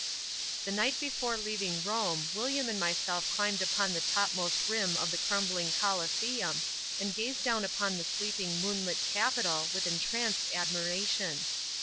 The night before leaving Rome William and myself climbed upon the topmost rim of the crumbling Coliseum and gazed down upon the sleeping moonlit capital with entranced admiration.